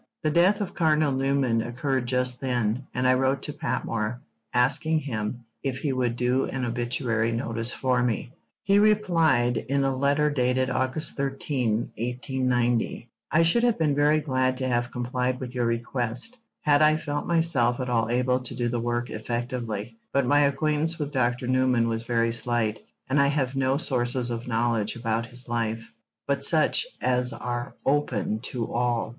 The death of Cardinal Newman occurred just then, and I wrote to Patmore, asking him if he would do an obituary notice for me. He replied, in a letter dated August 13, 1890: I should have been very glad to have complied with your request, had I felt myself at all able to do the work effectively; but my acquaintance with Dr. Newman was very slight, and I have no sources of knowledge about his life, but such as are open to all.